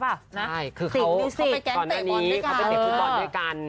เขาไปจัดกูบอลด้วยกัน